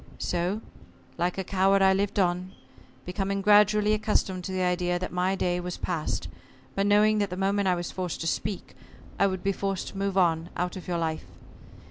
So, like a coward, I lived on, becoming gradually accustomed to the idea that my day was past, but knowing that the moment I was forced to speak, I would be forced to move on out of your life.